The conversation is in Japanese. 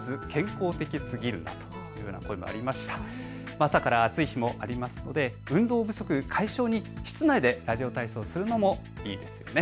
朝から暑い日もありますので運動不足解消に室内でラジオ体操をするのもいいですよね。